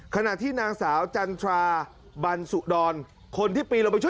ขณะที่นางสาวจันทราบันสุดรคนที่ปีนลงไปช่วย